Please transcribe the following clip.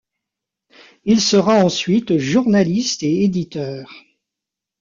Il sera ensuite journaliste et éditeur.